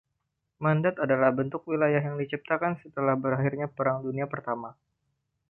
Mandat adalah bentuk wilayah yang diciptakan setelah berakhirnya Perang Dunia Pertama.